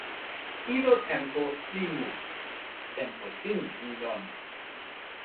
ilo tenpo li mu. tenpo sin li lon.